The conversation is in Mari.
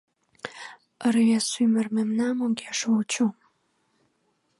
Ырвез ӱмыр мемнам огеш вучо.